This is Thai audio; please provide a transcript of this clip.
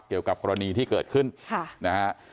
เกี่ยวกับกรณีที่เกิดขึ้นนะฮะ